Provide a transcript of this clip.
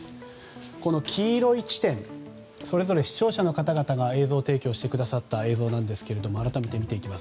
黄色い地点それぞれ視聴者の方々が映像を提供してくださった映像ですが改めて見ていきます。